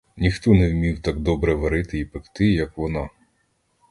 Ніхто не вмів так добре варити й пекти, як вона.